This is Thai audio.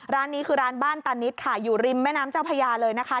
ร้านนี้คือร้านบ้านตานิดค่ะอยู่ริมแม่น้ำเจ้าพญาเลยนะคะ